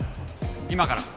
今から？